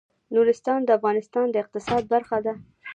نورستان د افغانستان د اقتصاد برخه ده.